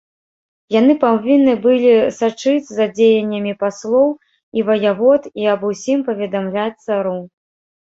Яны павінны былі сачыць за дзеяннямі паслоў і ваявод і аб усім паведамляць цару.